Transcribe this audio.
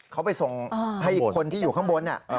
เขาไปส่งให้คนที่อยู่ข้างบน